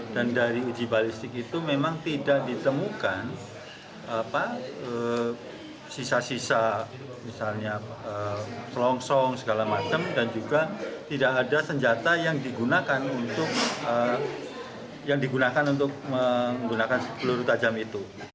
dan dari uji balistik itu memang tidak ditemukan sisa sisa misalnya pelongsong segala macam dan juga tidak ada senjata yang digunakan untuk menggunakan peluru tajam itu